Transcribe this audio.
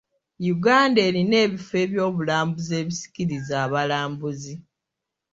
Uganda erina ebifo ebyobulambuzi ebisikiriza abalambuzi.